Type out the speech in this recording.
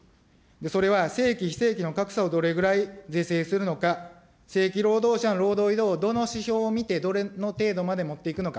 それは正規、非正規の格差をどれぐらい是正するのか、正規労働者の労働移動をどの指標を見て、どれの程度まで持っていくのか。